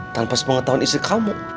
tanpa sepengetahuan istri kamu